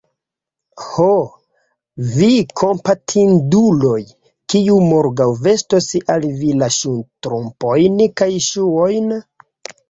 Ho, vi kompatinduloj! kiu morgaŭ vestos al vi la ŝtrumpojn kaj ŝuojn?